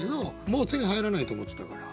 もう手に入らないと思ってたから。